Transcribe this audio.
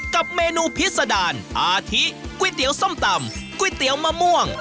กับเมนูพิษดารอาทิก๋วยเตี๋ยวส้มตำก๋วยเตี๋ยวมะม่วง